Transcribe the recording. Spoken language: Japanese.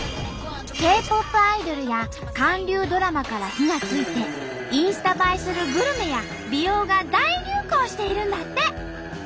Ｋ−ＰＯＰアイドルや韓流ドラマから火がついてインスタ映えするグルメや美容が大流行しているんだって！